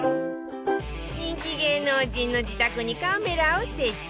人気芸能人の自宅にカメラを設置